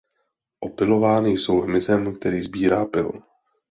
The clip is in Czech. Opylovány jsou hmyzem který sbírá pyl.